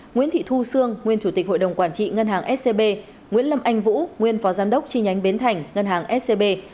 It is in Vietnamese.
nguyễn thị thu sương nguyên chủ tịch hội đồng quản trị ngân hàng scb nguyễn lâm anh vũ nguyên phó giám đốc chi nhánh bến thành ngân hàng scb